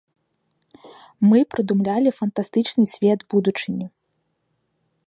Мы прыдумлялі фантастычны свет будучыні.